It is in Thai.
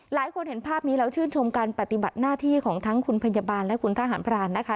หลายคนเห็นภาพนี้แล้วชื่นชมการปฏิบัติหน้าที่ของทั้งคุณพยาบาลและคุณทหารพรานนะคะ